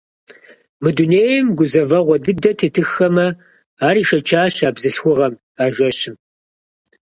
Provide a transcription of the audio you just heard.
Мы дунейм гузэвэгъуэ дыдэ тетыххэмэ, ар ишэчащ а бзылъхугъэм а жэщым.